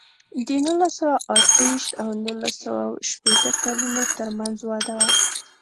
د نولس سوه اته ویشت او نولس سوه شپېته کلونو ترمنځ وده وه.